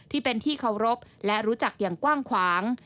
ที่เป็นที่เคารพและรู้จักอย่างกว้างขวาง